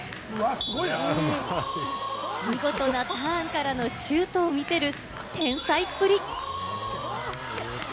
見事なターンからのシュートを見せる天才っぷり。